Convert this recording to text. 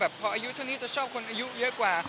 พออายุเท่านี้จะชอบคนอายุเยอะกว่า